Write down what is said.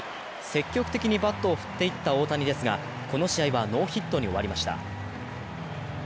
積極的にバットを振っていった大谷ですがこの試合はノーヒットに終わりました。